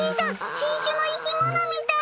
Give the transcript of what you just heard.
新種の生き物みたい。